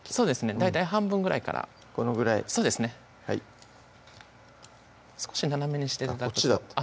大体半分ぐらいからこのぐらいそうですね少し斜めにして頂くとあっ